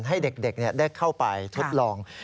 ให้เด็กได้เข้าไปทดลอง